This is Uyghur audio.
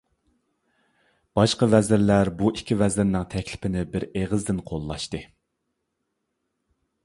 باشقا ۋەزىرلەر بۇ ئىككى ۋەزىرنىڭ تەكلىپىنى بىر ئېغىزدىن قوللاشتى.